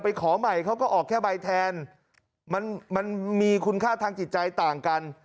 ขอใหม่เขาก็ออกแค่ใบแทนมันมันมีคุณค่าทางจิตใจต่างกัน